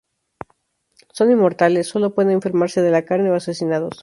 Son inmortales; solo pueden enfermarse de la carne, o asesinados.